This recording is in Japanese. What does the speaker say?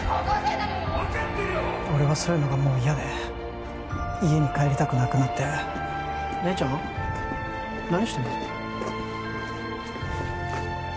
俺はそういうのがもう嫌で家に帰りたくなくなって姉ちゃん？何してるの？